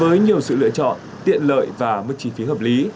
với nhiều sự lựa chọn tiện lợi và mức chi phí hợp lý